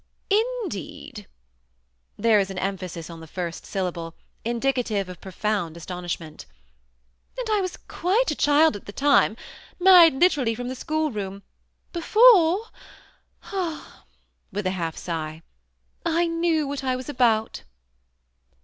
"i» deed!" There was an emphasis on the first syllable, indicative of profound astonishment. ^ And I was quite a child at the time ; married literally from the school room, before" (with a half sigh) "I knew what I was about."